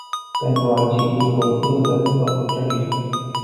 Pentru alții, este o scuză pentru protecționism.